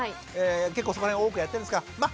結構そこら辺を多くやってるんですがまっ